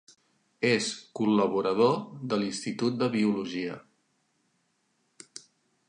És col·laborador de l'Institut de Biologia.